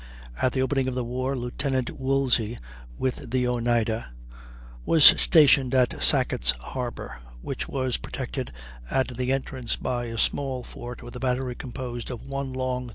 At the opening of the war Lieutenant Woolsey, with the Oneida, was stationed at Sackett's Harbor, which was protected at the entrance by a small fort with a battery composed of one long 32.